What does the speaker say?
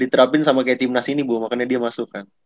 diterapin sama kayak tim nas ini bu makanya dia masuk kan